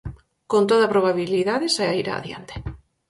Con toda probabilidade, sairá adiante.